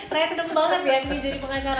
random banget ya pengen jadi pengacara